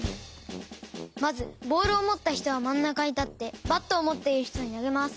まずボールをもったひとはまんなかにたってバットをもっているひとになげます。